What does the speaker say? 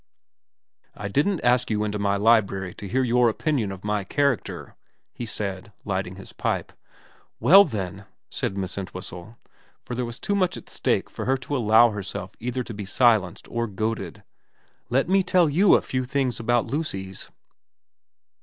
* I didn't ask you into my library to hear your opinion of my character,' he said, lighting his pipe. ' Well then,' said Miss Entwhistle, for there was too much at stake for her to allow herself either to be silenced or goaded, ' let me tell you a few things about Lucy's.'